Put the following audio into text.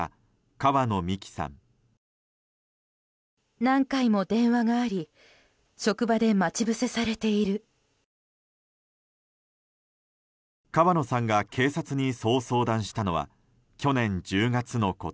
川野さんが警察にそう相談したのは去年１０月のこと。